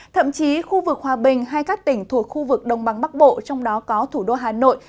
thậm chí khu vực hòa bình hay các tỉnh thuộc khu vực đông bắc bộ trong đó có thủ đô hà nội